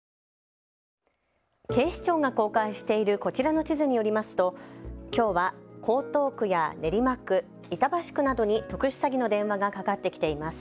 警視庁が公開しているこちらの地図によりますときょうは江東区や練馬区、板橋区などに特殊詐欺の電話がかかってきています。